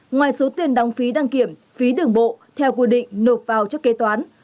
ngoài số tiền đóng phí đăng kiểm phí đường bộ theo quy định nộp vào chức kế toán